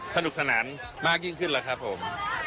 สนุกสนานมากยิ่งขึ้นแล้วครับผม